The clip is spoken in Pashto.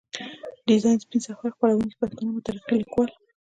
ډيزاين سپين سهار، خپروونکی پښتانه مترقي ليکوال.